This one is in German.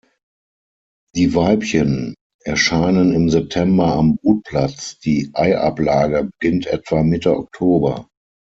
Die Weibchen erscheinen im September am Brutplatz, die Eiablage beginnt etwa Mitte Oktober.